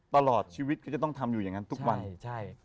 ตลอดชีวิตก็จะต้องทำอยู่อย่างนั้นทุกวันใช่